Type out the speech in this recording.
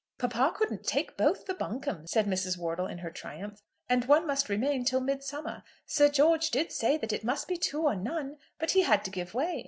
"Papa couldn't take both the Buncombes," said Mrs. Wortle in her triumph, "and one must remain till midsummer. Sir George did say that it must be two or none, but he had to give way.